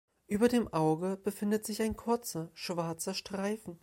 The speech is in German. Über dem Auge befindet sich ein kurzer schwarzer Streifen.